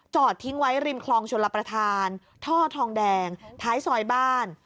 ทิ้งไว้ริมคลองชลประธานท่อทองแดงท้ายซอยบ้าน